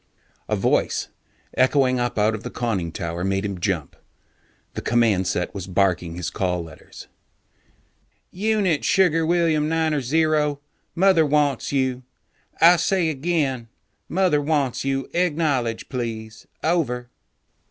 A voice, echoing up out of the conning tower, made him jump. The command set was barking his call letters. "Unit Sugar William Niner Zero, Mother wants you. I say again: Mother wants you. Acknowledge please. Over."